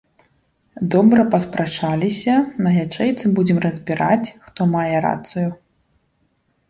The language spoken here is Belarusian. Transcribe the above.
Добра паспрачаліся, на ячэйцы будзем разбіраць, хто мае рацыю.